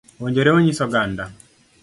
Owinjore wanyis oganda